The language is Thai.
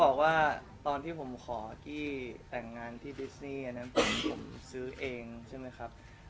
ขอบคุณทั้งพี่ต้นด้วยครับ